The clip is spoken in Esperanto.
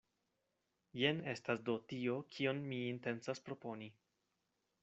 Jen estas do tio, kion mi intencas proponi.